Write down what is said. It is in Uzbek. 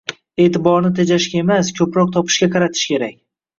E’tiborni tejashga emas, ko’proq topishga qaratish kerak